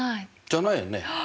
じゃないよねあっ！